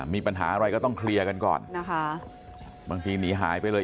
มีปัญหาอะไรก็ต้องเคลียร์กันก่อนนะคะบางทีหนีหายไปเลย